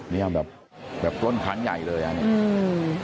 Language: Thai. นี่มันแบบแบบกล้นครั้งใหญ่เลยอันนี้